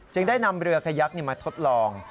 ได้นำเรือขยักมาทดลอง